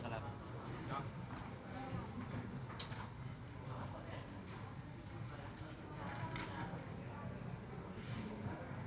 ข้างข้างไม่ได้ข้างข้างไม่ได้